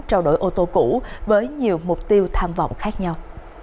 trao đổi ô tô cũ với nhiều mục tiêu tham vọng khác nhau